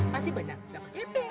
pasti banyak dapat kipping